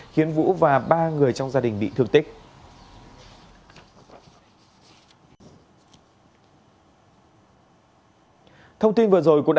khiến vũ và ba người trong gia đình bị thương tích